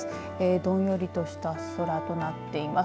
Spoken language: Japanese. どんよりとした空となっています。